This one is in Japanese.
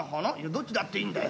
どっちだっていいんだよ